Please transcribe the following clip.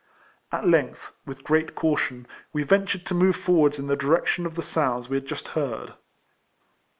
At length with great caution, we ven tured to move forwards in the direction of the sounds we had just heard.